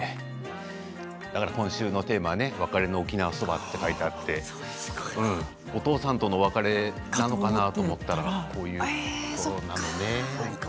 だから今週のテーマは別れの沖縄そばと書いてあってお父さんとの別れなのかなと思ったら。